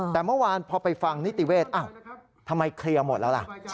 แต่เมื่อวานพอไปฟังนิติเวศอ้าวทำไมเคลียร์หมดแล้วล่ะ